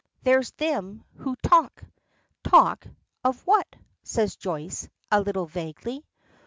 "There's thim who talk." "Talk of what?" asks Joyce, a little vaguely.